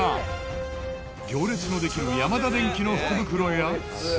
行列のできるヤマダデンキの福袋や。